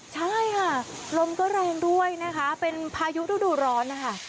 ใช่ค่ะลมก็แรงด้วยนะคะเป็นพายุฤดูร้อนนะคะ